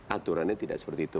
aturannya tidak seperti itu